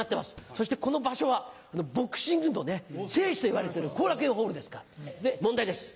そしてこの場所はボクシングの聖地といわれてる後楽園ホールですからで問題です。